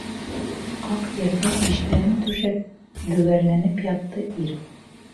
Ҡаҡ ергә биштәрен түшәп, бөгәрләнеп ятты ир.